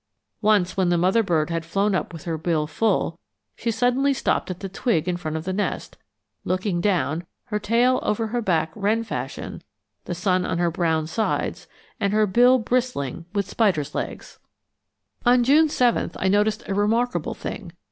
Once when the mother bird had flown up with her bill full, she suddenly stopped at the twig in front of the nest, looking down, her tail over her back wren fashion, the sun on her brown sides, and her bill bristling with spiders' legs. [Illustration: A Trying Moment.] On June 7 I noticed a remarkable thing.